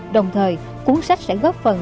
đồng thời cuốn sách sẽ góp phần